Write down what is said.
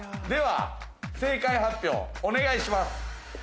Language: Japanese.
では正解発表、お願いします。